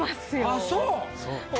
あっそう。